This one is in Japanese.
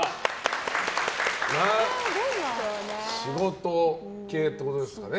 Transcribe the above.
仕事系ってことですかね。